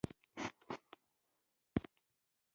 هغې پښې وروغځولې.